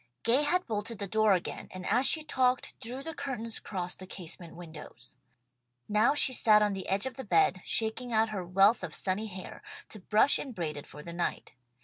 Gay had bolted the door again, and as she talked, drew the curtains across the casement windows. Now she sat on the edge of the bed, shaking out her wealth of sunny hair, to brush and braid it for the night.